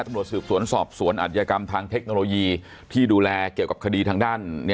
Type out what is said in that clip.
ตำรวจสืบสวนสอบสวนอัธยกรรมทางเทคโนโลยีที่ดูแลเกี่ยวกับคดีทางด้าน